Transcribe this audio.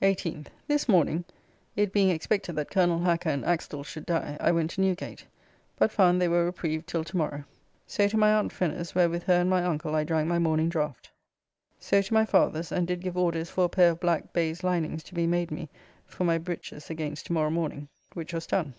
18th. This morning, it being expected that Colonel Hacker and Axtell should die, I went to Newgate, but found they were reprieved till to morrow. So to my aunt Fenner's, where with her and my uncle I drank my morning draft. So to my father's, and did give orders for a pair of black baize linings to be made me for my breeches against to morrow morning, which was done.